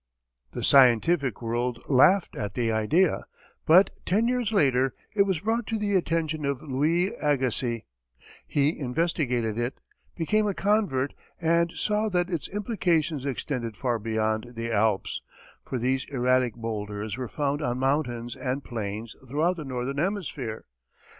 The scientific world laughed at the idea, but ten years later, it was brought to the attention of Louis Agassiz; he investigated it, became a convert, and saw that its implications extended far beyond the Alps, for these erratic bowlders were found on mountains and plains throughout the northern hemisphere.